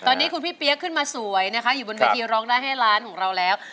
ตอนนี้คุณพี่เปี๊ยกขึ้นมาสวยนะคะอยู่บนเวทีร้องได้ให้ร้านของเราแล้ว